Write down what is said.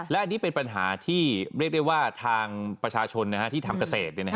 และอันนี้เป็นปัญหาที่เรียกได้ว่าทางประชาชนที่ทำเกษตร